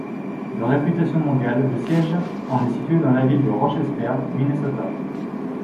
De réputation mondiale, le siège en est situé dans la ville de Rochester, Minnesota.